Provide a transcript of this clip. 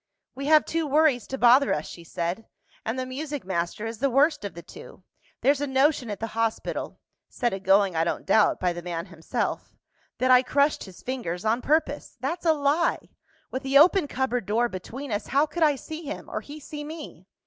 "We have two worries to bother us," she said; "and the music master is the worst of the two. There's a notion at the hospital (set agoing, I don't doubt, by the man himself), that I crushed his fingers on purpose. That's a lie! With the open cupboard door between us, how could I see him, or he see me?